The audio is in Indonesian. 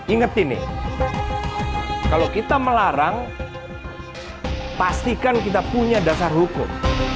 ingat ini kalau kita melarang pastikan kita punya dasar hukum